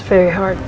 biar orang tua